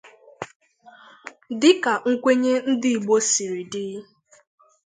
dịka nkwenye ndị Igbo siri dị.